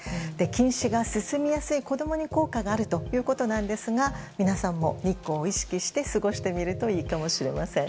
近視が進みやすい子供に効果があるということですが皆さんも日光を意識して過ごしてみるといいかもしれません。